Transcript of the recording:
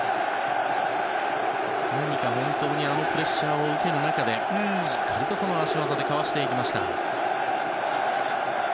あのプレッシャーを受ける中でしっかりと足技でかわしていきました。